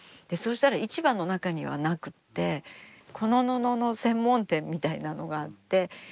したら市場の中にはなくてこの布の専門店みたいなのがあって。